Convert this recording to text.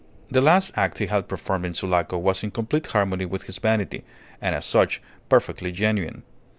The last act he had performed in Sulaco was in complete harmony with his vanity, and as such perfectly genuine.